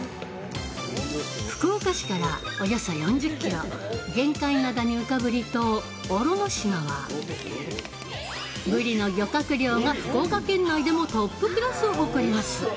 福岡市からおよそ４０ｋｍ玄界灘に浮かぶ離島・小呂島はブリの漁獲量が福岡県内でもトップクラスを誇ります。